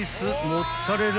モッツァレラ。